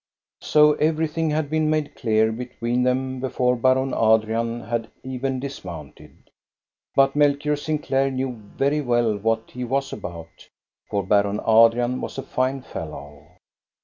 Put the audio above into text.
So everything had been made clear between them before Baron Adrian had even dismounted. But Melchior Sinclair knew very well what he was about, for Baron Adrian was a fine fellow.